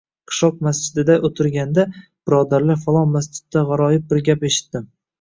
Qishloq masjidida oʻtirishganda, birodarlar, falon masjidda gʻaroyib bir gap eshitdim